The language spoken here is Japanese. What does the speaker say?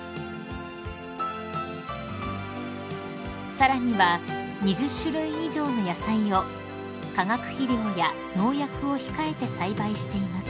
［さらには２０種類以上の野菜を化学肥料や農薬を控えて栽培しています］